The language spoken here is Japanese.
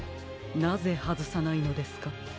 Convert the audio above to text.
なぜはずさないのですか？